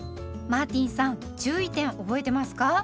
マーティンさん注意点覚えてますか？